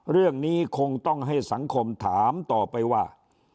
เรื่องนี้คงต้องให้สังคมถามต่อไปว่า